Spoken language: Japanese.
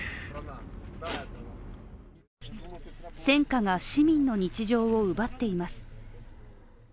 戦火が市民の日常を奪っています。